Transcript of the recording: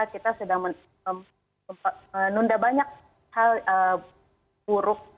kita sedang menunda banyak hal buruk